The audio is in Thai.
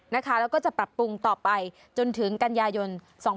แล้วก็จะปรับปรุงต่อไปจนถึงกันยายน๒๕๖๒